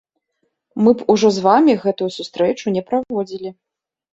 Мы б ужо з вамі гэтую сустрэчу не праводзілі.